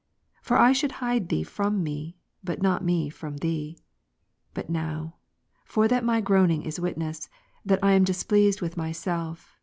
For I should hide Thee from me, not me from Thee. But now, for that my groaning is witness, that I am displeased with myself.